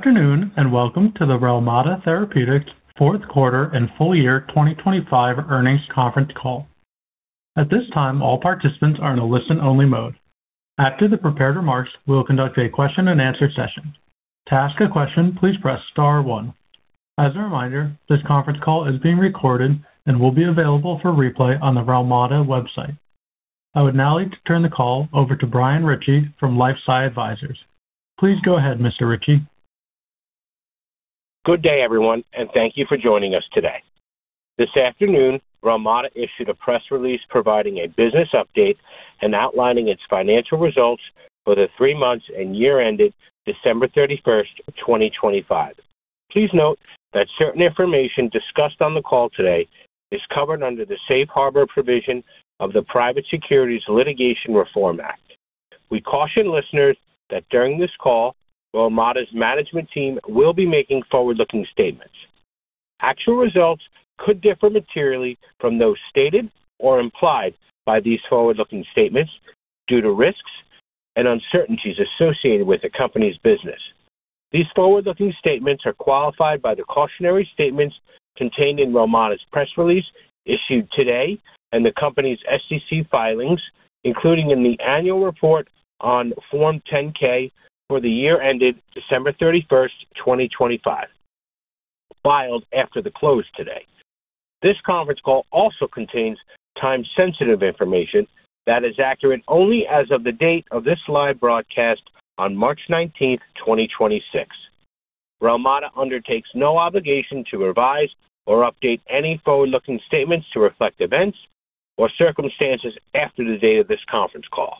Good afternoon, and welcome to the Relmada Therapeutics fourth quarter and full year 2025 earnings conference call. At this time, all participants are in a listen-only mode. After the prepared remarks, we will conduct a question-and-answer session. To ask a question, please press star one. As a reminder, this conference call is being recorded and will be available for replay on the Relmada website. I would now like to turn the call over to Brian Ritchie from LifeSci Advisors. Please go ahead, Mr. Ritchie. Good day, everyone, and thank you for joining us today. This afternoon, Relmada issued a press release providing a business update and outlining its financial results for the three months and year ended December 31st, 2025. Please note that certain information discussed on the call today is covered under the safe harbor provision of the Private Securities Litigation Reform Act. We caution listeners that during this call, Relmada's management team will be making forward-looking statements. Actual results could differ materially from those stated or implied by these forward-looking statements due to risks and uncertainties associated with the company's business. These forward-looking statements are qualified by the cautionary statements contained in Relmada's press release issued today and the company's SEC filings, including in the annual report on Form 10-K for the year ended December 31st, 2025, filed after the close today. This conference call also contains time-sensitive information that is accurate only as of the date of this live broadcast on March 19th, 2026. Relmada undertakes no obligation to revise or update any forward-looking statements to reflect events or circumstances after the date of this conference call.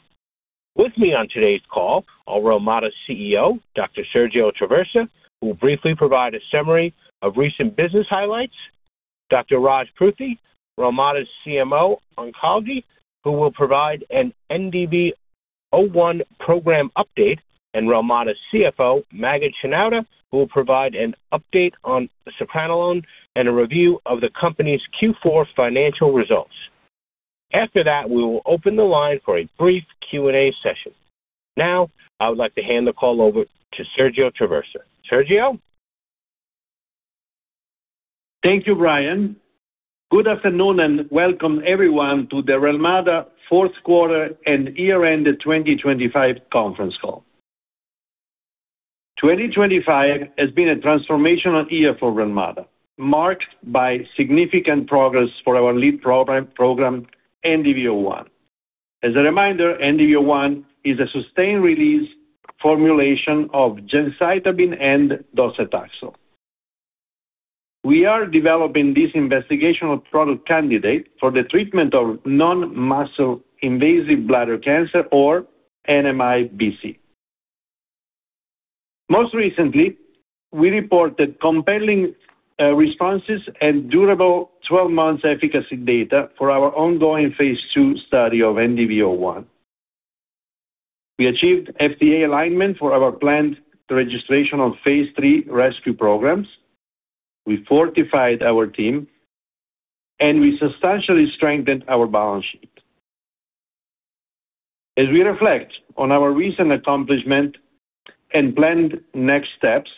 With me on today's call are Relmada's CEO, Dr. Sergio Traversa, who will briefly provide a summary of recent business highlights, Dr. Raj Pruthi, Relmada's CMO Oncology, who will provide an NDV-01 program update, and Relmada's CFO, Maged Shenouda, who will provide an update on sepranolone and a review of the company's Q4 financial results. After that, we will open the line for a brief Q&A session. Now, I would like to hand the call over to Sergio Traversa. Sergio? Thank you, Brian. Good afternoon and welcome everyone to the Relmada fourth quarter and year-ended 2025 conference call. 2025 has been a transformational year for Relmada, marked by significant progress for our lead program, NDV-01. As a reminder, NDV-01 is a sustained release formulation of gemcitabine and docetaxel. We are developing this investigational product candidate for the treatment of Non-Muscle Invasive Bladder Cancer or NMIBC. Most recently, we reported compelling responses and durable 12-month efficacy data for our ongoing phase II study of NDV-01. We achieved FDA alignment for our planned registration of phase III RESCUE program. We fortified our team, and we substantially strengthened our balance sheet. As we reflect on our recent accomplishment and planned next steps,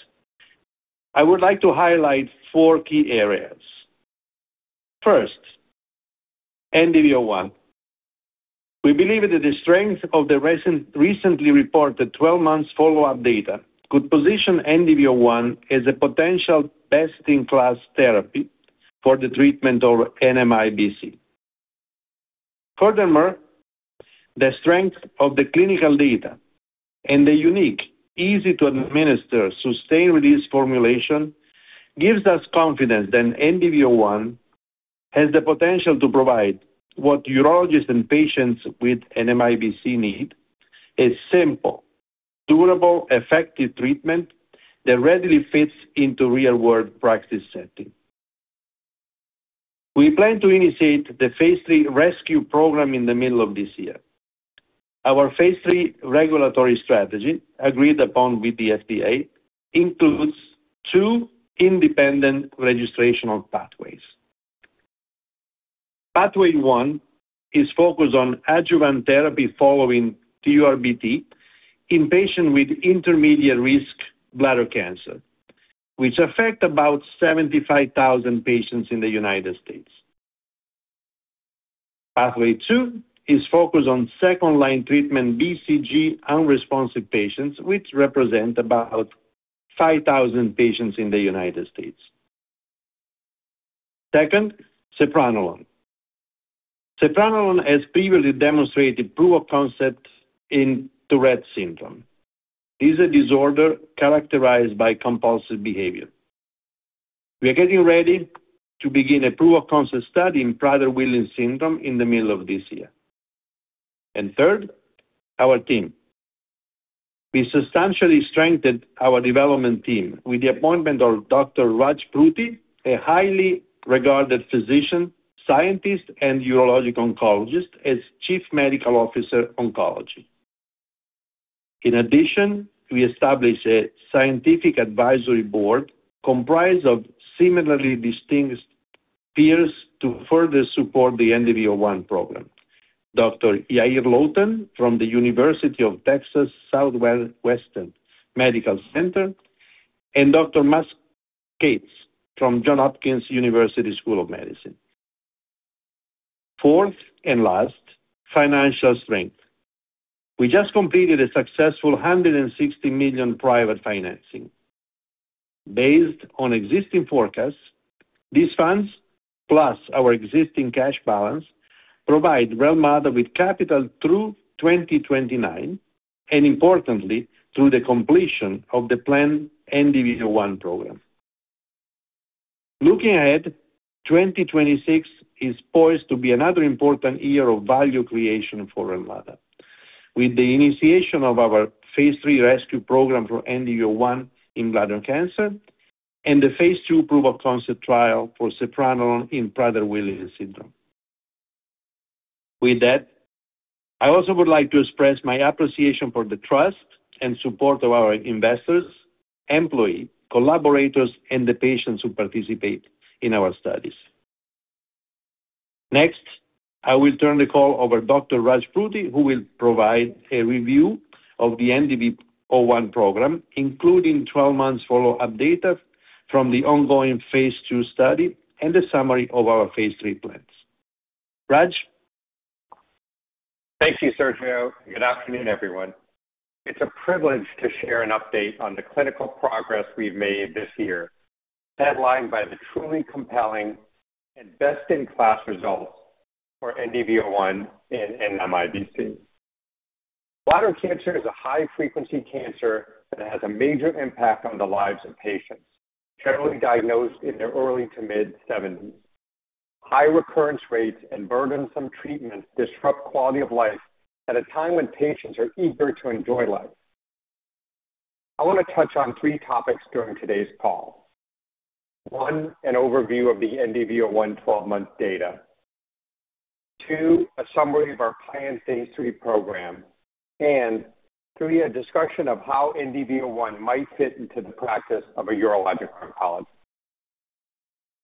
I would like to highlight four key areas. First, NDV-01. We believe that the strength of the recently reported twelve-month follow-up data could position NDV-01 as a potential best-in-class therapy for the treatment of NMIBC. Furthermore, the strength of the clinical data and the unique, easy-to-administer, sustained-release formulation gives us confidence that NDV-01 has the potential to provide what urologists and patients with NMIBC need. A simple, durable, effective treatment that readily fits into real-world practice setting. We plan to initiate the phase III RESCUE program in the middle of this year. Our phase III regulatory strategy, agreed upon with the FDA, includes two independent registrational pathways. Pathway one is focused on adjuvant therapy following TURBT in patients with intermediate-risk bladder cancer, which affect about 75,000 patients in the United States. Pathway two is focused on second-line treatment BCG-unresponsive patients, which represent about 5,000 patients in the United States. Second, Sepranolone. Sepranolone has previously demonstrated proof of concept in Tourette syndrome, a disorder characterized by compulsive behavior. We are getting ready to begin a proof of concept study in Prader-Willi syndrome in the middle of this year. Third, our team. We substantially strengthened our development team with the appointment of Dr. Raj S. Pruthi, a highly regarded physician, scientist, and urologic oncologist as Chief Medical Officer-Oncology. In addition, we established a scientific advisory board comprised of similarly distinguished peers to further support the NDV-01 program. Dr. Yair Lotan from The University of Texas Southwestern Medical Center, and Dr. Max Kates from Johns Hopkins University School of Medicine. Fourth and last, financial strength. We just completed a successful $160 million private financing. Based on existing forecasts, these funds, plus our existing cash balance, provide Relmada with capital through 2029 and importantly, through the completion of the planned NDV-01 program. Looking ahead, 2026 is poised to be another important year of value creation for Relmada. With the initiation of our phase III RESCUE program for NDV-01 in bladder cancer and the phase II proof of concept trial for Sepranolone in Prader-Willi syndrome. With that, I also would like to express my appreciation for the trust and support of our investors, employees, collaborators, and the patients who participate in our studies. Next, I will turn the call over to Dr. Raj Pruthi, who will provide a review of the NDV-01 program, including 12 months follow-up data from the ongoing phase II study and a summary of our phase III plans. Raj. Thank you, Sergio. Good afternoon, everyone. It's a privilege to share an update on the clinical progress we've made this year, headlined by the truly compelling and best-in-class results for NDV-01 in NMIBC. Bladder cancer is a high-frequency cancer that has a major impact on the lives of patients generally diagnosed in their early to mid-seventies. High recurrence rates and burdensome treatments disrupt quality of life at a time when patients are eager to enjoy life. I want to touch on three topics during today's call. One, an overview of the NDV-01 12-month data. Two, a summary of our planned phase III program. Three, a discussion of how NDV-01 might fit into the practice of a urologic oncologist.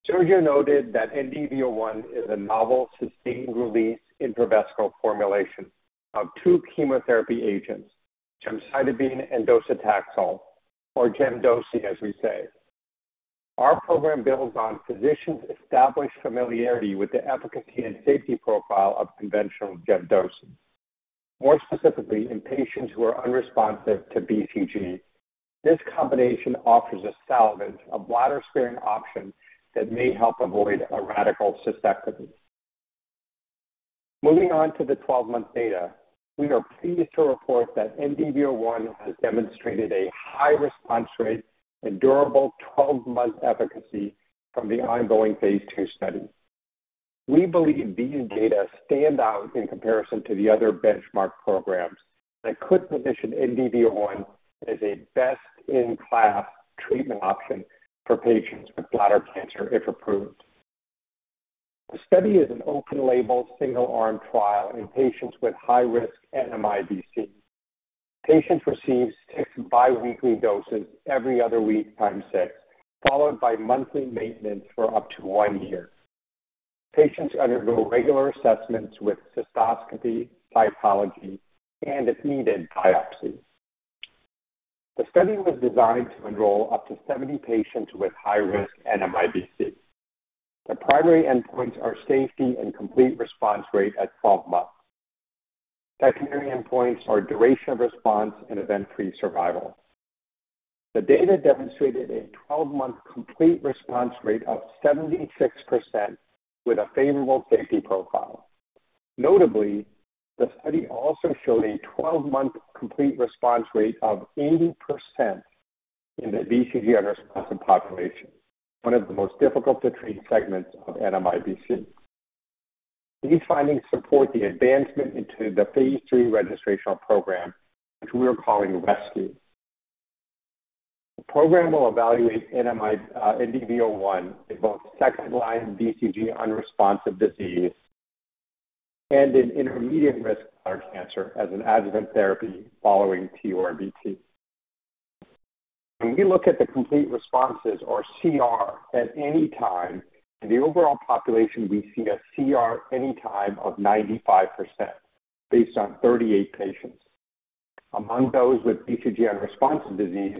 Sergio noted that NDV-01 is a novel sustained-release intravesical formulation of two chemotherapy agents, gemcitabine and docetaxel, or Gem-Doci, as we say. Our program builds on physicians' established familiarity with the efficacy and safety profile of conventional Gem-Doci, more specifically in patients who are unresponsive to BCG. This combination offers a salvage, a bladder-sparing option that may help avoid a radical cystectomy. Moving on to the 12-month data, we are pleased to report that NDV-01 has demonstrated a high response rate and durable 12-month efficacy from the ongoing phase II study. We believe these data stand out in comparison to the other benchmark programs that could position NDV-01 as a best-in-class treatment option for patients with bladder cancer if approved. The study is an open-label single-arm trial in patients with high-risk NMIBC. Patients receive six biweekly doses every other week times six, followed by monthly maintenance for up to one year. Patients undergo regular assessments with cystoscopy, cytology, and if needed, biopsies. The study was designed to enroll up to 70 patients with high-risk NMIBC. The primary endpoints are safety and complete response rate at 12 months. Secondary endpoints are duration of response and event-free survival. The data demonstrated a 12-month complete response rate of 76% with a favorable safety profile. Notably, the study also showed a 12-month complete response rate of 80% in the BCG unresponsive population, one of the most difficult to treat segments of NMIBC. These findings support the advancement into the phase III registrational program, which we are calling RESCUE. The program will evaluate NDV-01 in both second-line BCG unresponsive disease and in intermediate-risk bladder cancer as an adjuvant therapy following TURBT. When we look at the complete responses or CR at any time, in the overall population, we see a CR anytime of 95% based on 38 patients. Among those with BCG-unresponsive disease,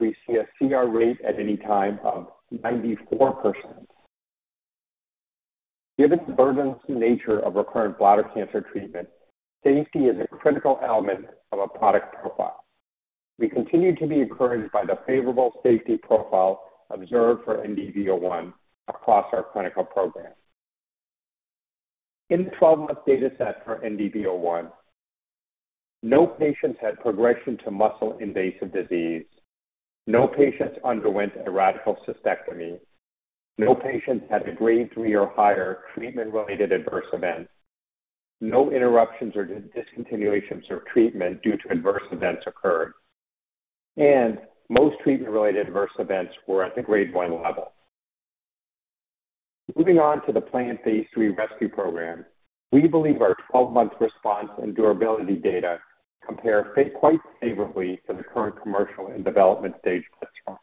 we see a CR rate at any time of 94%. Given the burdensome nature of recurrent bladder cancer treatment, safety is a critical element of a product profile. We continue to be encouraged by the favorable safety profile observed for NDV-01 across our clinical program. In the 12-month data set for NDV-01, no patients had progression to muscle-invasive disease. No patients underwent a radical cystectomy. No patients had a grade 3 or higher treatment-related adverse events. No interruptions or discontinuations of treatment due to adverse events occurred, and most treatment-related adverse events were at the grade 1 level. Moving on to the planned phase III RESCUE program, we believe our 12-month response and durability data compare quite favorably to the current commercial and development stage platforms.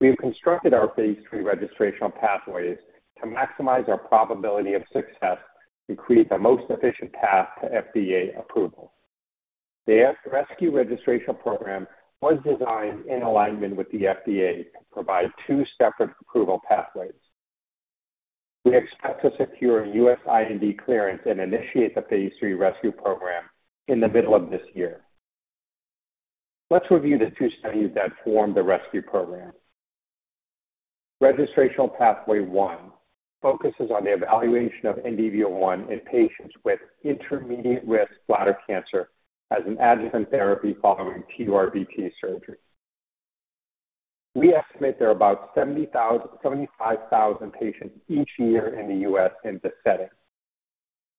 We have constructed our phase III registrational pathways to maximize our probability of success and create the most efficient path to FDA approval. The RESCUE registration program was designed in alignment with the FDA to provide two separate approval pathways. We expect to secure a U.S. IND clearance and initiate the phase III RESCUE program in the middle of this year. Let's review the two studies that form the RESCUE program. Registrational pathway one focuses on the evaluation of NDV-01 in patients with intermediate-risk bladder cancer as an adjuvant therapy following TURBT surgery. We estimate there are about 70,000-75,000 patients each year in the U.S. in this setting.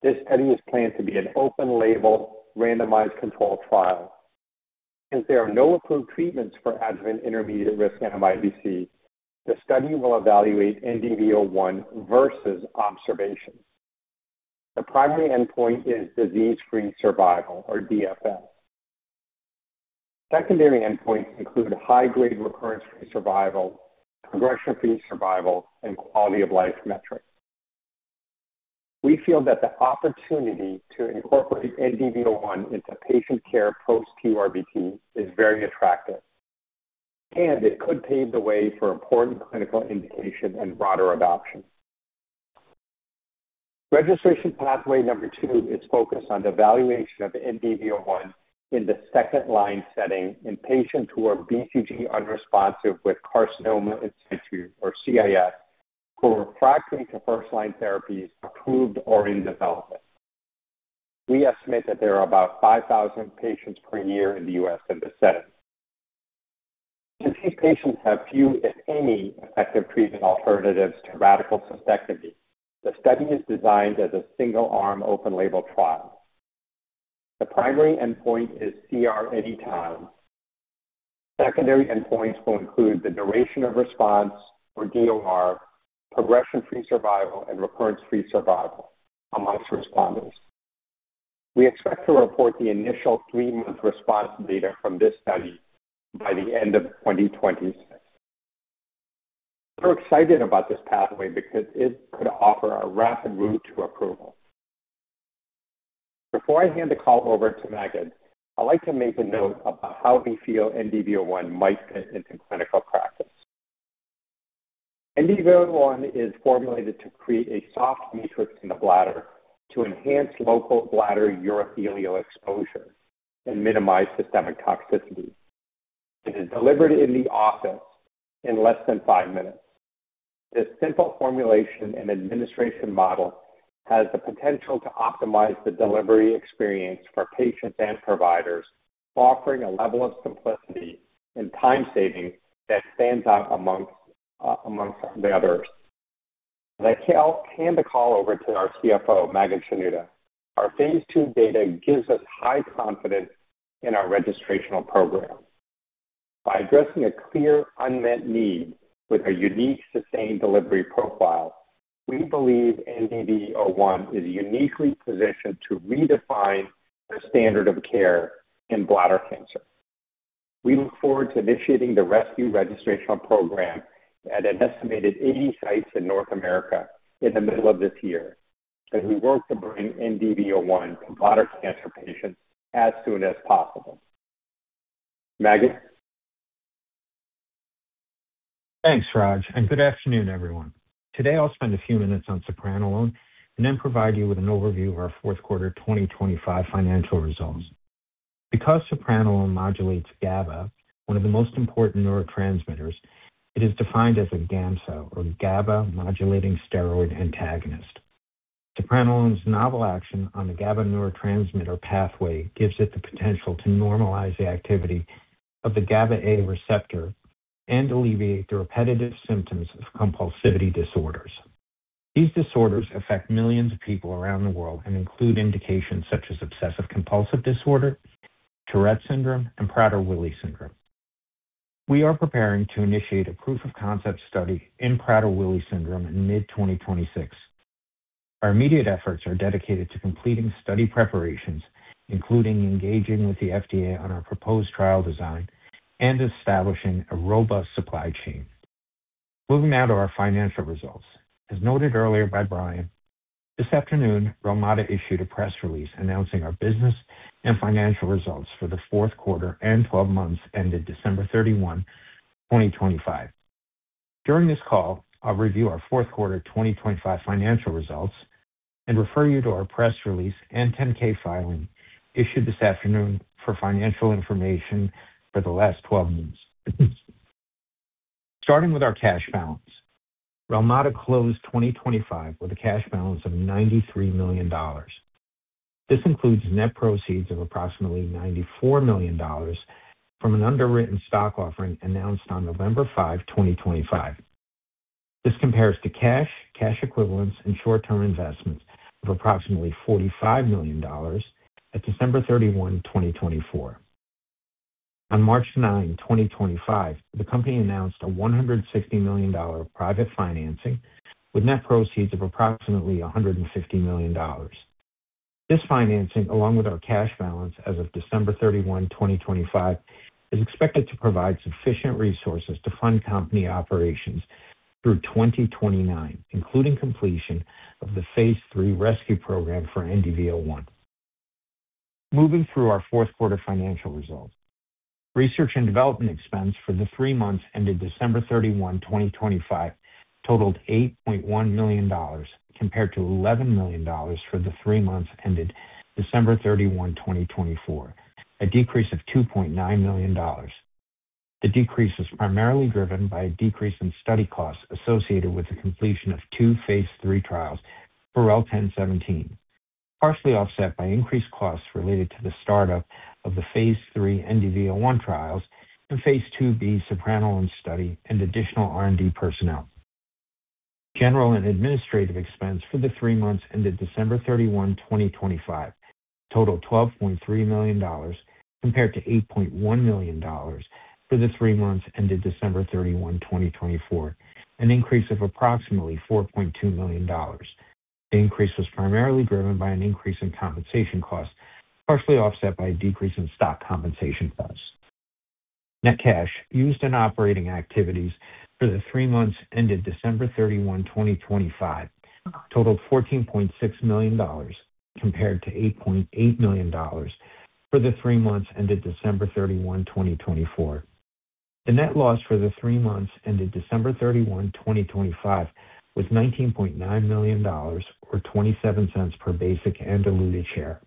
This study is planned to be an open label randomized controlled trial. Since there are no approved treatments for adjuvant intermediate-risk NMIBC, the study will evaluate NDV-01 versus observation. The primary endpoint is disease-free survival or DFS. Secondary endpoints include high-grade recurrence-free survival, progression-free survival, and quality of life metrics. We feel that the opportunity to incorporate NDV-01 into patient care post-TURBT is very attractive, and it could pave the way for important clinical indication and broader adoption. Registration pathway number two is focused on the evaluation of NDV-01 in the second-line setting in patients who are BCG unresponsive with carcinoma in situ or CIS who are refractory to first-line therapies approved or in development. We estimate that there are about 5,000 patients per year in the U.S. in this setting. Since these patients have few, if any, effective treatment alternatives to radical cystectomy, the study is designed as a single-arm open label trial. The primary endpoint is CR anytime. Secondary endpoints will include the duration of response or DOR, progression-free survival, and recurrence-free survival among responders. We expect to report the initial three month response data from this study by the end of 2026. We're excited about this pathway because it could offer a rapid route to approval. Before I hand the call over to Maged, I'd like to make a note about how we feel NDV-01 might fit into clinical practice. NDV-01 is formulated to create a soft matrix in the bladder to enhance local bladder urothelial exposure and minimize systemic toxicity. It is delivered in the office in less than five minutes. This simple formulation and administration model has the potential to optimize the delivery experience for patients and providers, offering a level of simplicity and time savings that stands out among the others. Hand the call over to our CFO, Maged Shenouda. Our phase II data gives us high confidence in our registrational program. By addressing a clear unmet need with a unique sustained delivery profile, we believe NDV-01 is uniquely positioned to redefine the standard of care in bladder cancer. We look forward to initiating the RESCUE registrational program at an estimated 80 sites in North America in the middle of this year as we work to bring NDV-01 to bladder cancer patients as soon as possible. Maged. Thanks, Raj, and good afternoon, everyone. Today, I'll spend a few minutes on Sepranolone and then provide you with an overview of our fourth quarter 2025 financial results. Because Sepranolone modulates GABA, one of the most important neurotransmitters, it is defined as a GAMSA or GABA Modulating Steroid Antagonist. Sepranolone's novel action on the GABA neurotransmitter pathway gives it the potential to normalize the activity of the GABA A receptor and alleviate the repetitive symptoms of compulsive disorders. These disorders affect millions of people around the world and include indications such as obsessive-compulsive disorder, Tourette syndrome, and Prader-Willi syndrome. We are preparing to initiate a proof of concept study in Prader-Willi syndrome in mid 2026. Our immediate efforts are dedicated to completing study preparations, including engaging with the FDA on our proposed trial design and establishing a robust supply chain. Moving now to our financial results. As noted earlier by Brian, this afternoon, Relmada issued a press release announcing our business and financial results for the fourth quarter and 12 months ended December 31, 2025. During this call, I'll review our fourth quarter 2025 financial results and refer you to our press release and 10-K filing issued this afternoon for financial information for the last 12 months. Starting with our cash balance. Relmada closed 2025 with a cash balance of $93 million. This includes net proceeds of approximately $94 million from an underwritten stock offering announced on November 5, 2025. This compares to cash equivalents, and short-term investments of approximately $45 million at December 31, 2024. On March 9, 2025, the company announced a $160 million private financing with net proceeds of approximately $160 million. This financing, along with our cash balance as of December 31, 2025, is expected to provide sufficient resources to fund company operations through 2029, including completion of the phase III RESCUE program for NDV-01. Moving through our fourth quarter financial results. Research and development expense for the three months ended December 31, 2025 totaled $8.1 million compared to $11 million for the three months ended December 31, 2024, a decrease of $2.9 million. The decrease is primarily driven by a decrease in study costs associated with the completion of two phase III trials for REL-1017, partially offset by increased costs related to the start up of the phase III NDV-01 trials and phase IIb Sepranolone study and additional R&D personnel. General and administrative expense for the three months ended December 31, 2025 totaled $12.3 million compared to $8.1 million for the three months ended December 31, 2024, an increase of approximately $4.2 million. The increase was primarily driven by an increase in compensation costs, partially offset by a decrease in stock compensation costs. Net cash used in operating activities for the three months ended December 31, 2025 totaled $14.6 million compared to $8.8 million for the three months ended December 31, 2024. The net loss for the three months ended December 31, 2025 was $19.9 million or $0.27 per basic and diluted share,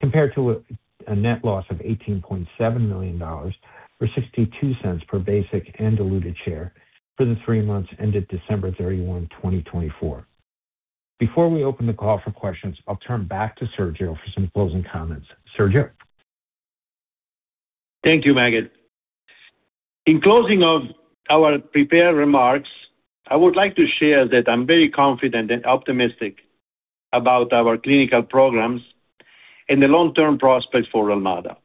compared to a net loss of $18.7 million or $0.62 per basic and diluted share for the three months ended December 31, 2024. Before we open the call for questions, I'll turn back to Sergio for some closing comments. Sergio. Thank you, Maged. In closing of our prepared remarks, I would like to share that I'm very confident and optimistic about our clinical programs and the long-term prospects for Relmada.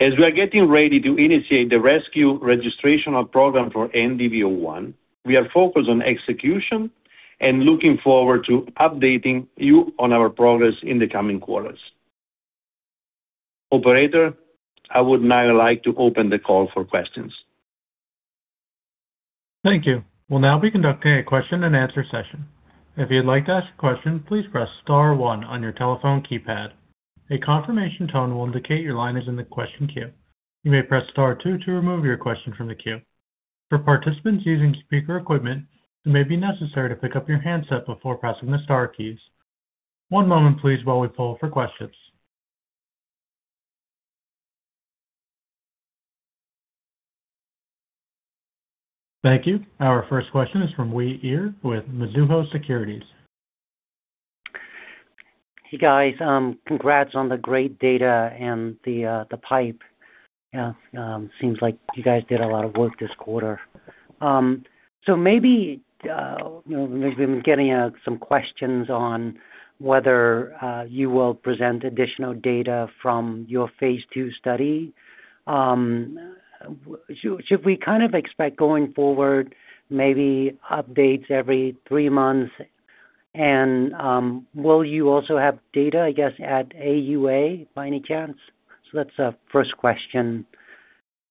As we are getting ready to initiate the RESCUE registrational program for NDV-01, we are focused on execution and looking forward to updating you on our progress in the coming quarters. Operator, I would now like to open the call for questions. Thank you. We'll now be conducting a question and answer session. If you'd like to ask a question, please press star one on your telephone keypad. A confirmation tone will indicate your line is in the question queue. You may press star two to remove your question from the queue. For participants using speaker equipment, it may be necessary to pick up your handset before pressing the star keys. One moment please while we poll for questions. Thank you. Our first question is from Uy Ear with Mizuho Securities. Hey, guys. Congrats on the great data and the pipe. Yeah, seems like you guys did a lot of work this quarter. Maybe, you know, we've been getting some questions on whether you will present additional data from your phase II study. Should we kind of expect going forward, maybe updates every three months? Will you also have data, I guess, at AUA by any chance? That's the first question.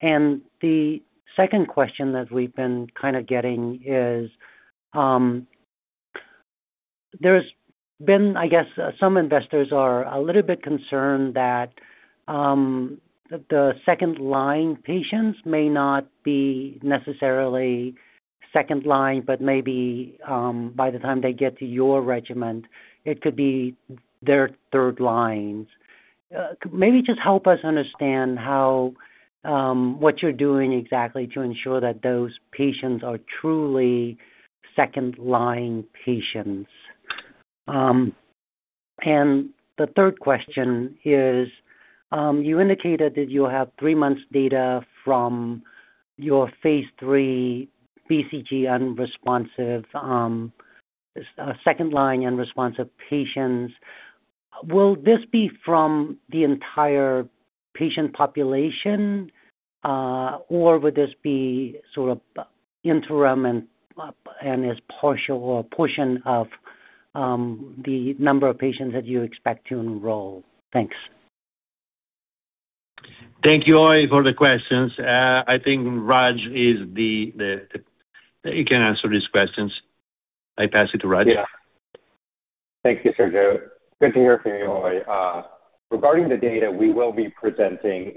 The second question that we've been kind of getting is, there's been, I guess, some investors are a little bit concerned that the second line patients may not be necessarily second line, but maybe, by the time they get to your regimen, it could be their third lines. Maybe just help us understand how what you're doing exactly to ensure that those patients are truly second line patients. The third question is, you indicated that you have three months data from your phase III BCG unresponsive second line unresponsive patients. Will this be from the entire patient population, or would this be sort of interim and is partial or a portion of the number of patients that you expect to enroll? Thanks. Thank you, Uy, for the questions. I think Raj is the, he can answer these questions. I pass it to Raj. Yeah. Thank you, Sergio. Good to hear from you, Uy. Regarding the data, we will be presenting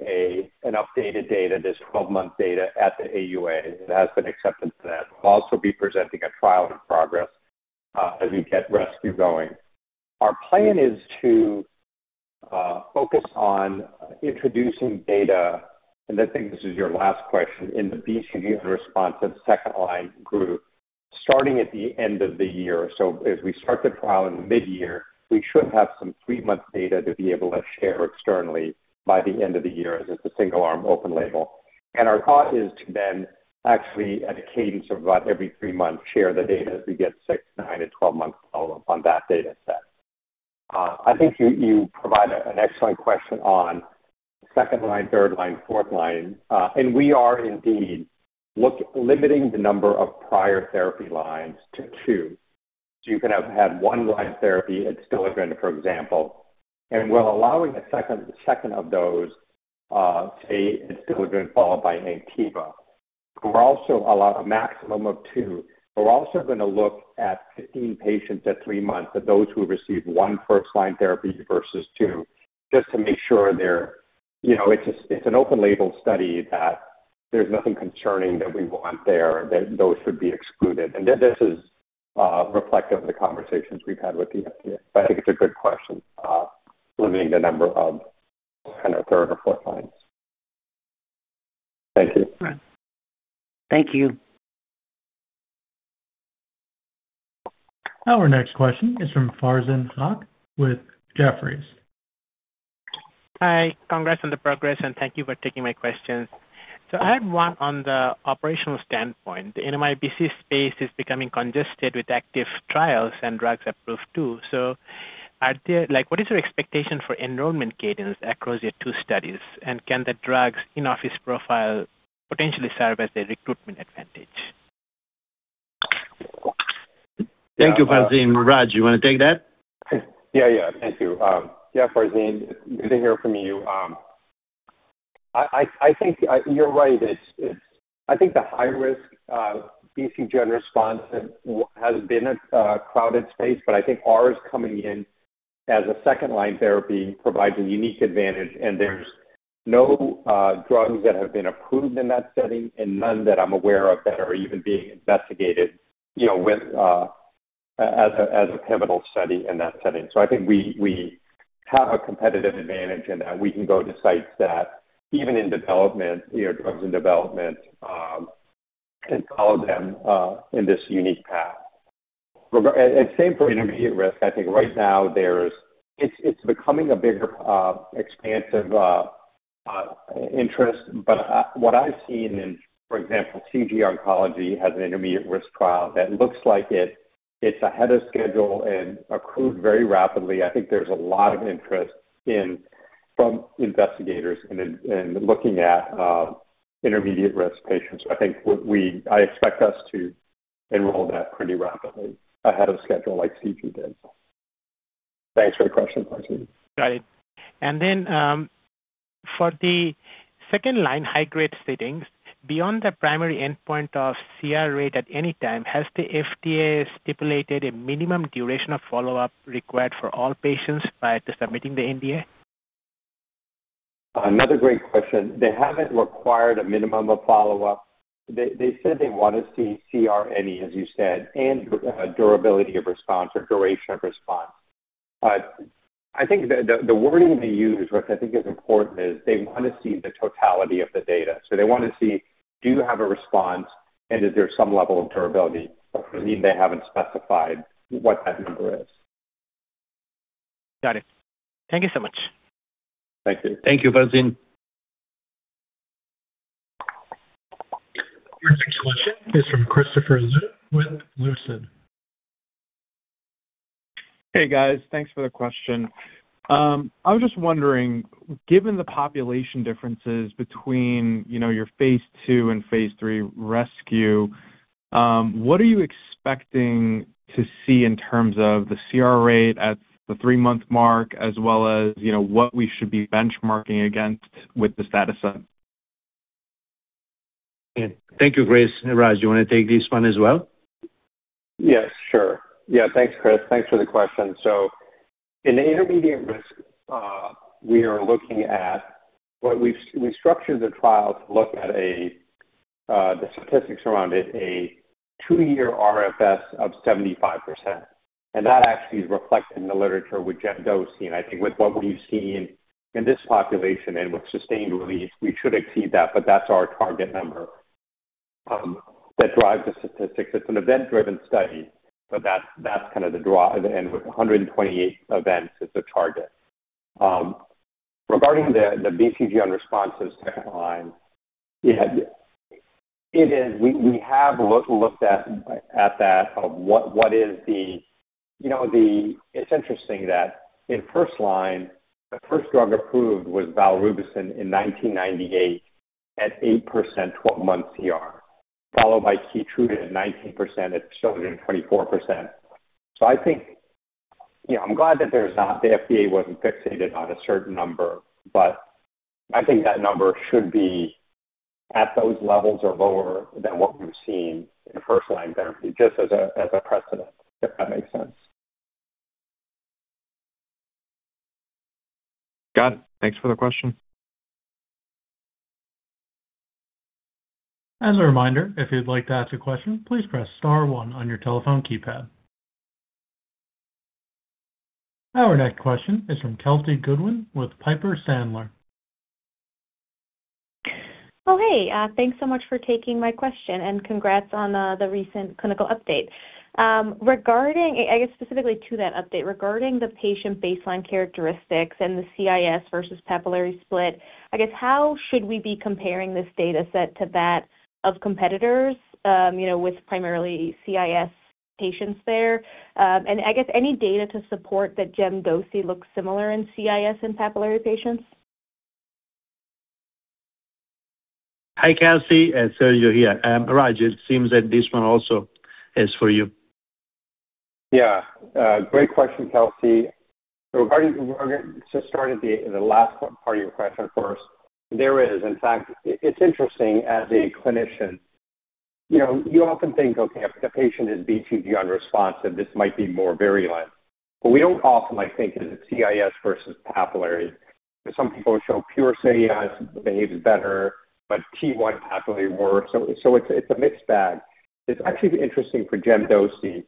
an updated data, this 12-month data at the AUA. It has been accepted to that. We'll also be presenting a trial in progress, as we get RESCUE going. Our plan is to focus on introducing data, and I think this is your last question, in the BCG-responsive second-line group starting at the end of the year. As we start the trial in mid-year, we should have some three month data to be able to share externally by the end of the year, as it's a single-arm open label. Our thought is to then actually at a cadence of about every three months, share the data as we get six, nine, and 12-month follow-up on that data set. I think you provide an excellent question on second line, third line, fourth line. We are indeed limiting the number of prior therapy lines to two. You can have had one line therapy, Adstiladrin, for example, and we're allowing a second of those, say Adstiladrin followed by Anktiva. We're also allowing a maximum of two. We're also gonna look at 15 patients at three months, at those who received one first-line therapy versus two, just to make sure they're, you know, it's an open-label study that there's nothing concerning that we want there, that those should be excluded. This is reflective of the conversations we've had with the FDA. I think it's a good question, limiting the number of kind of third or fourth lines. Thank you. Thank you. Our next question is from Farzin Haque with Jefferies. Hi. Congrats on the progress, and thank you for taking my questions. I had one on the operational standpoint. The NMIBC space is becoming congested with active trials and drugs approved too. Like, what is your expectation for enrollment cadence across your two studies? Can the drug's in-office profile potentially serve as a recruitment advantage? Thank you, Farzin. Raj, you wanna take that? Yeah. Yeah. Thank you. Yeah, Farzin, good to hear from you. I think you're right. I think the high-risk BCG-unresponsive has been a crowded space, but I think ours coming in as a second-line therapy provides a unique advantage, and there's no drugs that have been approved in that setting and none that I'm aware of that are even being investigated, you know, as a pivotal study in that setting. I think we have a competitive advantage in that we can go to sites that even drugs in development, you know, can follow them in this unique path. Same for intermediate risk. I think right now it's becoming a bigger expanding interest. What I've seen in, for example, CG Oncology has an intermediate risk trial that looks like it's ahead of schedule and accrued very rapidly. I think there's a lot of interest from investigators in looking at intermediate risk patients. I expect us to enroll that pretty rapidly ahead of schedule like CG did. Thanks for your question, Farzin. Got it. For the second line, high-grade settings, beyond the primary endpoint of CR rate at any time, has the FDA stipulated a minimum duration of follow-up required for all patients prior to submitting the NDA? Another great question. They haven't required a minimum of follow-up. They said they want to see CR, as you said, and durability of response or duration of response. I think the wording they use, which I think is important, is they want to see the totality of the data. They want to see, do you have a response and is there some level of durability? For me, they haven't specified what that number is. Got it. Thank you so much. Thank you. Thank you, Farzin. Your next question is from Christopher Liu with Lucid. Hey, guys. Thanks for the question. I was just wondering, given the population differences between, you know, your phase II and phase III RESCUE, what are you expecting to see in terms of the CR rate at the three-month mark as well as, you know, what we should be benchmarking against with the status on? Thank you, Chris. Raj, do you wanna take this one as well? Yes, sure. Yeah. Thanks, Chris. Thanks for the question. In the intermediate risk, we are looking at what we've we structured the trial to look at a, the statistics around it, a two-year RFS of 75%. That actually is reflected in the literature with Gem-Doci. I think with what we've seen in this population and with sustained release, we should exceed that, but that's our target number, that drives the statistics. It's an event-driven study, but that's kind of the drive. With a hundred and twenty-eight events is the target. Regarding the BCG unresponsive second line, we have looked at that, of what is the, you know, the. It's interesting that in first-line, the first drug approved was Valrubicin in 1998 at 8% 12-month CR, followed by Keytruda at 19% at Adstiladrin at 24%. I think, you know, I'm glad that the FDA wasn't fixated on a certain number, but I think that number should be at those levels or lower than what we've seen in first-line therapy, just as a precedent, if that makes sense. Got it. Thanks for the question. As a reminder, if you'd like to ask a question, please press star one on your telephone keypad. Our next question is from Kelsey Goodwin with Piper Sandler. Okay. Thanks so much for taking my question, and congrats on the recent clinical update. Regarding, I guess, specifically to that update, regarding the patient baseline characteristics and the CIS versus papillary split, I guess how should we be comparing this data set to that of competitors, you know, with primarily CIS patients there? I guess any data to support that Gem-Doci looks similar in CIS and papillary patients? Hi, Kelsey. It's Sergio here. Raj, it seems that this one also is for you. Yeah. Great question, Kelsey. Starting the last part of your question first. There is. In fact, it's interesting as a clinician, you know, you often think, okay, if the patient is BCG unresponsive, this might be more virulent. We don't often like think is it CIS versus papillary. Some people show pure CIS behaves better, but T1 papillary worse. It's a mixed bag. It's actually interesting for Gem-Doci.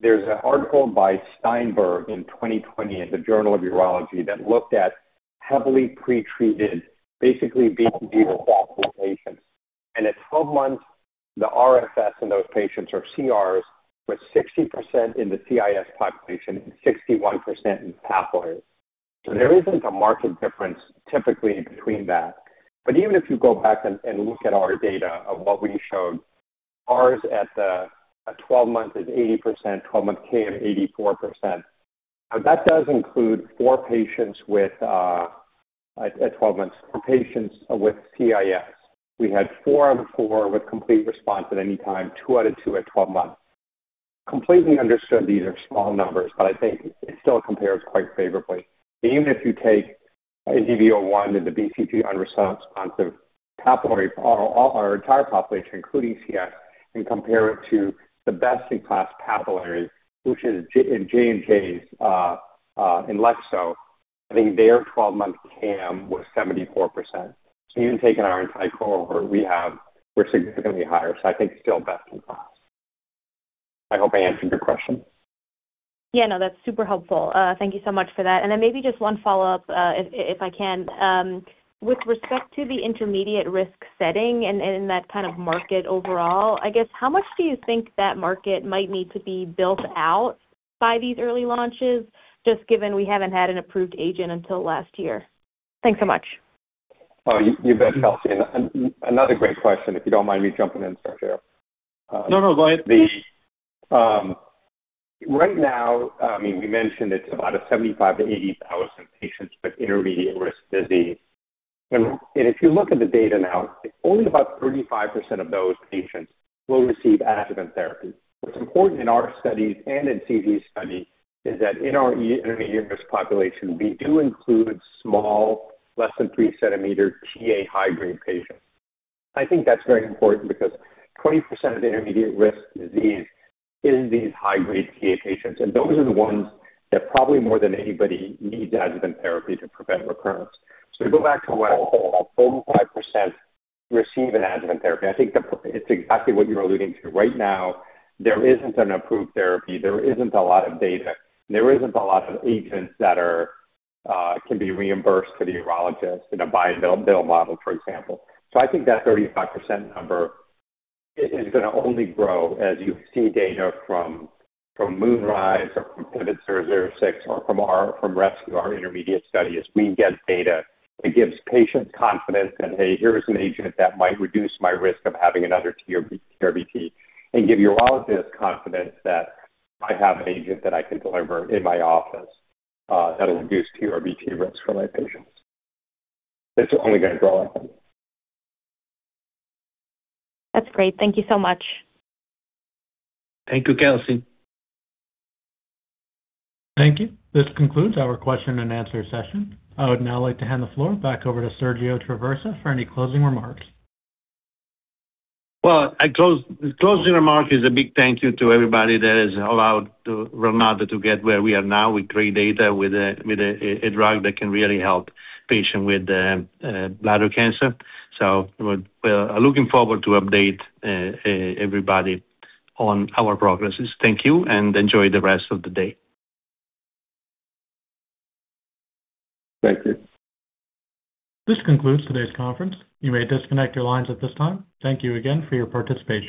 There's an article by Steinberg in 2020 in The Journal of Urology that looked at heavily pretreated, basically BCG recalcitrant patients. At 12 months, the RFS in those patients or CRs was 60% in the CIS population and 61% in papillary. There isn't a marked difference typically between that. Even if you go back and look at our data of what we showed, ours at the 12 months is 80%, 12-month KM, 84%. Now that does include four patients with at 12 months, four patients with CIS. We had four out of four with complete response at any time, two out of two at 12 months. Completely understood these are small numbers, but I think it still compares quite favorably. Even if you take NDV-01 and the BCG unresponsive papillary, or our entire population, including CIS, and compare it to the best-in-class papillary, which is in J&J's Inlexzo, I think their 12-month KM was 74%. Even taking our entire cohort we have, we're significantly higher. I think still best-in-class. I hope I answered your question. Yeah, no, that's super helpful. Thank you so much for that. Maybe just one follow-up, if I can. With respect to the intermediate risk setting and that kind of market overall, I guess how much do you think that market might need to be built out by these early launches, just given we haven't had an approved agent until last year? Thanks so much. You bet, Kelsey. Another great question, if you don't mind me jumping in, Sergio. No, no, go ahead. Right now, I mean, we mentioned it's about 75,000-80,000 patients with intermediate risk disease. If you look at the data now, only about 35% of those patients will receive adjuvant therapy. What's important in our studies and in CG's study is that in our high-intermediate risk population, we do include small, less than 3 cm Ta high-grade patients. I think that's very important because 20% of the intermediate risk disease is these high-risk Ta patients, and those are the ones that probably more than anybody needs adjuvant therapy to prevent recurrence. We go back to what only 35% receive an adjuvant therapy. I think it's exactly what you're alluding to. Right now, there isn't an approved therapy. There isn't a lot of data. There isn't a lot of agents that can be reimbursed to the urologist in a buy and bill model, for example. I think that 35% number is gonna only grow as you see data from MoonRISe-1 or from PIVOT-006 or from our RESCUE, our intermediate study. As we get data, it gives patients confidence in, hey, here is an agent that might reduce my risk of having another TURBT, and give urologists confidence that I have an agent that I can deliver in my office, that'll reduce TURBT risk for my patients. It's only gonna grow. That's great. Thank you so much. Thank you, Kelsey. Thank you. This concludes our question and answer session. I would now like to hand the floor back over to Sergio Traversa for any closing remarks. Well, my closing remark is a big thank you to everybody that has allowed Relmada to get where we are now with great data with a drug that can really help patients with bladder cancer. We are looking forward to update everybody on our progresses. Thank you, and enjoy the rest of the day. Thank you. This concludes today's conference. You may disconnect your lines at this time. Thank you again for your participation.